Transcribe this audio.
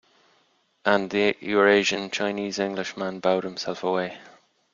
And the Eurasian Chinese-Englishman bowed himself away.